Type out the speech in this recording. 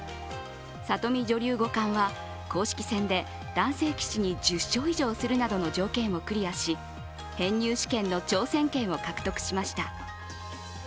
里見女流五冠は、公式戦で男性棋士に１０勝以上するなどの条件をクリアし、編入試験の挑戦権を獲得しました。